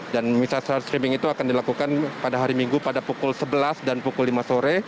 dan misa secara streaming itu akan dilakukan pada hari minggu pada pukul sebelas dan pukul lima sore